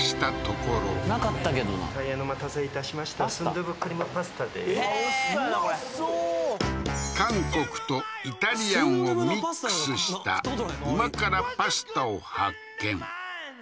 これ美味そう韓国とイタリアンをミックスした旨辛パスタを発見